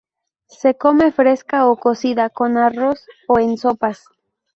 Se come fresca o cocida con arroz o en sopas.